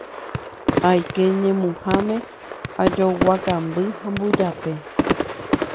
Aike ñemuhãme, ajogua kamby ha mbujape.